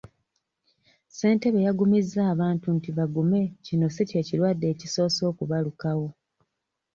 Ssentebe yagumizza abantu nti bagume kino si ky'ekirwadde ekisoose okubalukawo.